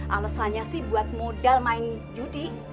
alasannya sih buat modal main judi